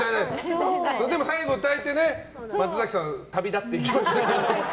でも、最後歌えて松崎さんは旅立っていきました。